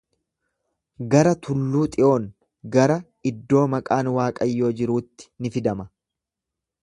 Gara tulluu Xiyoon, gara iddoo maqaan Waaqayyoo jiruutti ni fidama.